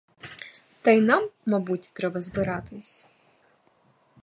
Та й нам, мабуть, треба збиратись?